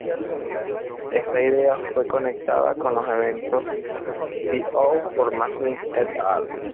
Esta idea fue conectada con los eventos D-O por Maslin "et al.".